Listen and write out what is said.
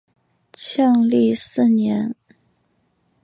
庆历四年。